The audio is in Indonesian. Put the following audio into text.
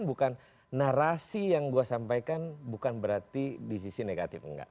dan narasi yang gue sampaikan bukan berarti di sisi negatif enggak